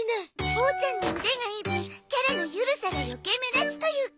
ボーちゃんの腕がいい分キャラのゆるさが余計目立つというか。